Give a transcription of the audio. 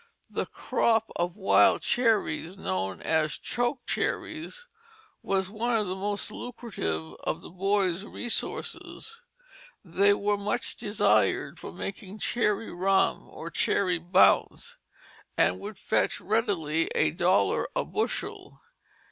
The crop of wild cherries known as chokecherries was one of the most lucrative of the boy's resources. They were much desired for making cherry rum or cherry bounce, and would fetch readily a dollar a bushel.